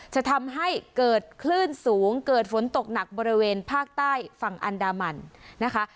จะทำให้เกิดคลื่นสูงเกิดฝนตกหนักบริเวณภาคใต้ฝั่งอันดามันนะคะ